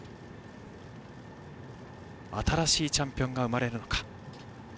新しいチャンピオンが生まれるのか。